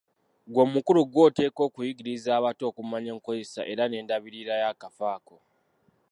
Ggwe omukulu ggwe oteekwa okuyigiriza abato okumanya enkozesa era n'endabirira y'akafo ako.